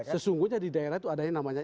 sesungguhnya di daerah itu ada yang namanya